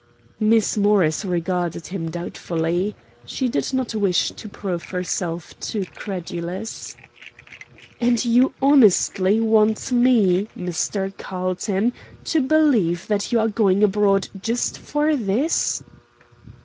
Miss Morris regarded him doubtfully. She did not wish to prove herself too credulous. "And you honestly want me, Mr. Carlton, to believe that you are going abroad just for this?"